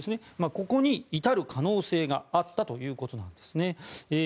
ここに至る可能性があったということなんですね。